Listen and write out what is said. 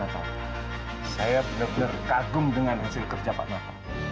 pak natal saya benar benar kagum dengan hasil kerja pak natal